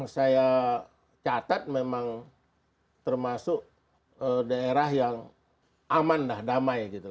saya catat memang termasuk daerah yang aman dah damai gitu